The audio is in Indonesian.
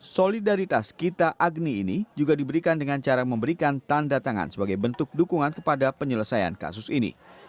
solidaritas kita agni ini juga diberikan dengan cara memberikan tanda tangan sebagai bentuk dukungan kepada penyelesaian kasus ini